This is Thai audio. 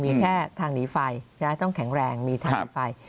มีแค่ทางหนีไฟต้องแข็งแรงมีทางหนีไฟ